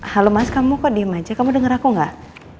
halo mas kamu kok diem aja kamu denger aku gak